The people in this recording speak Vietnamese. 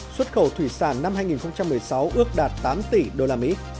xuất khẩu thủy sản năm hai nghìn một mươi sáu ước đạt tám tỷ usd